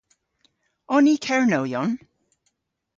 On ni Kernowyon?